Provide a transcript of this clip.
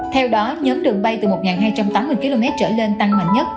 theo đó nhóm đường bay từ một hai trăm tám mươi km trở lên tăng mạnh nhất